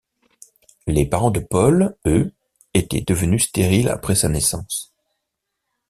Les parents de Paul, eux, étaient devenus stériles après sa naissance.